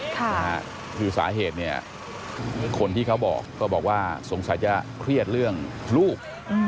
คือสาเหตุเนี่ยคนที่เขาบอกก็บอกว่าสงสัยจะเครียดเรื่องลูก